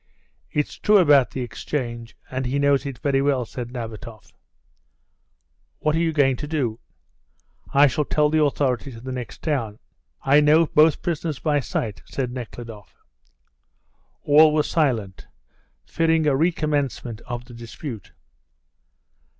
"It's true about the exchange, and he knows it very well," said Nabatoff. "What are you going to do?" "I shall tell the authorities in the next town. I know both prisoners by sight," said Nekhludoff. All were silent, fearing a recommencement of the dispute.